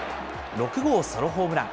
６号ソロホームラン。